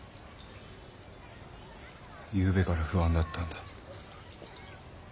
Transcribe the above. ゆうべから不安だったんだ。